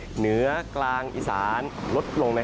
เหนือกลางอีสานลดลง